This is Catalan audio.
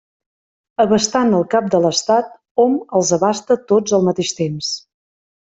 Abastant el cap de l'Estat, hom els abasta tots al mateix temps.